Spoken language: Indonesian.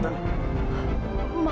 kamu itu dari mana